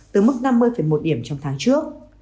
từ mức năm mươi một điểm trong tháng trước